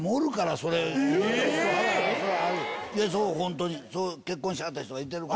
いるんですか⁉結婚しはった人がいてるから。